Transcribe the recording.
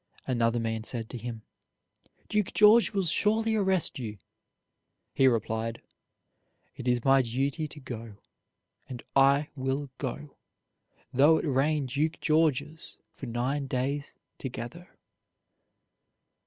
Another man said to him: "Duke George will surely arrest you." He replied: "It is my duty to go, and I will go, though it rain Duke Georges for nine days together."